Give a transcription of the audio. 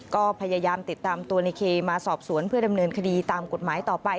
ก็พยายามติดตามตัวในเคมาสอบสวนเพื่อดำเนินคดีตามกฎหมายต่อไป